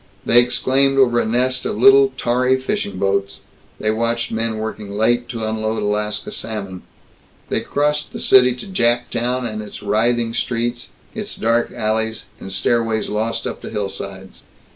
They exclaimed over a nest of little, tarry fishing boats. They watched men working late to unload Alaska salmon. They crossed the city to Jap Town and its writhing streets, its dark alleys and stairways lost up the hillsides.